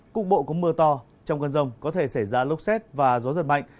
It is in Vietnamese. cục bộ có mưa to trong cơn rông có thể xảy ra lốc xét và gió giật mạnh